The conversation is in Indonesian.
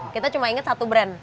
kita cuma ingat satu brand